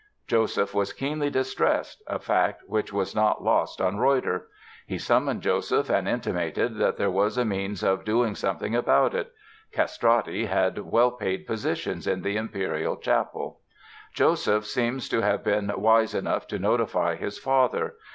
Joseph was keenly distressed, a fact which was not lost on Reutter. He summoned Joseph and intimated that there was a means of doing something about it. Castrati had well paid positions in the imperial chapel. Joseph seems to have been wise enough to notify his father.